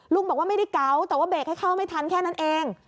ลุงบอกว่าไม่ได้เก๋าแต่ว่าเบรกให้เข้าไม่ทันแค่นั้นเอง